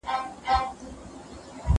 د خيار حق پيرودونکي ته ډاډ ورکوي.